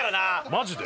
マジで？